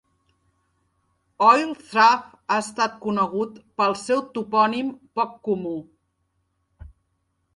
Oil Trough ha estat conegut pel seu topònim poc comú.